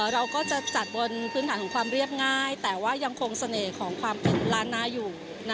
เราก็จะจัดบนพื้นฐานของความเรียบง่ายแต่ว่ายังคงเสน่ห์ของความเป็นล้านนาอยู่